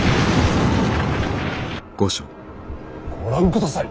ご覧ください。